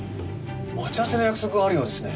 待ち合わせの約束があるようですね。